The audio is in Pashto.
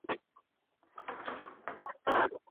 بېگاه مې ستورو ته ژړل، ستوري مې نه کړل حساب